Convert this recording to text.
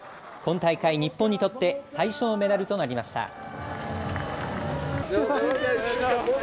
今大会、日本にとって最初のメダルとなりました。